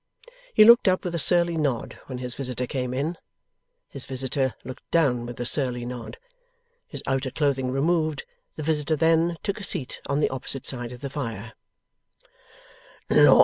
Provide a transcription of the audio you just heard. He looked up with a surly nod when his visitor came in. His visitor looked down with a surly nod. His outer clothing removed, the visitor then took a seat on the opposite side of the fire.